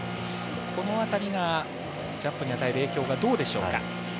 この辺りがジャンプに与える影響がどうでしょうか。